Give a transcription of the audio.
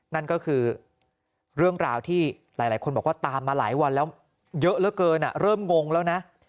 นั่นก็คือเรื่องราวที่หลายคนบอกว่าตามมาหลายวันแล้วเยอะเหลือเกินเริ่มงงแล้วนะ